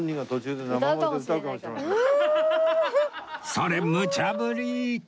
それむちゃぶり！